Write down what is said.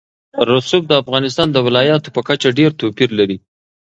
رسوب د افغانستان د ولایاتو په کچه ډېر توپیر لري.